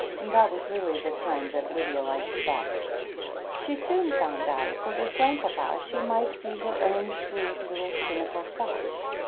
That was really the time that Lydia liked best. She soon found out that with Grandpapa she might be her own shrewd, little cynical self.